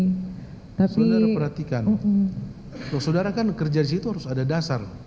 saudara perhatikan saudara kan kerja di situ harus ada dasar